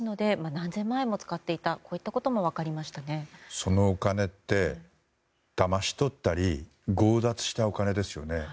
そのお金ってだまし取ったり強奪したお金ですよね。